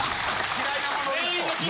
嫌いなもの